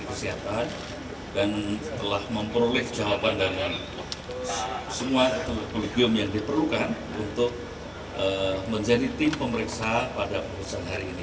dari kesehatan dan telah memperoleh jawaban dan semua kolegium yang diperlukan untuk menjadi tim pemeriksaan pada perusahaan hari ini